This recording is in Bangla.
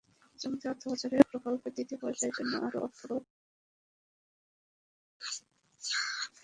চলতি অর্থবছরে প্রকল্পের দ্বিতীয় পর্যায়ের জন্য আরও অর্থ বরাদ্দ দেওয়া হয়েছে।